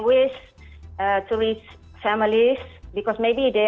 dan saya berharap menemukan keluarga